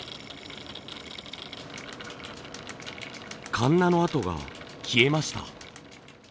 カンナの跡が消えました。